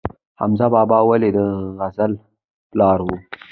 حمزه بابا ولې د غزل پلار و؟